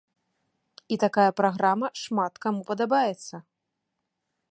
І такая праграма шмат каму падабаецца.